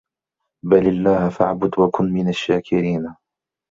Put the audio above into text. بَلِ اللَّهَ فَاعبُد وَكُن مِنَ الشّاكِرينَ